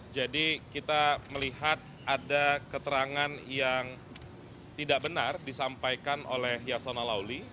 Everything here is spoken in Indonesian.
jadi kita melihat ada keterangan yang tidak benar disampaikan oleh yasona lauli